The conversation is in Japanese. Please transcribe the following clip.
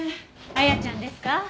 亜矢ちゃんですか？